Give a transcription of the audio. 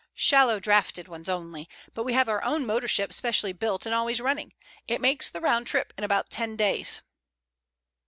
"Shallow draughted ones only. But we have our own motor ship specially built and always running. It makes the round trip in about ten days."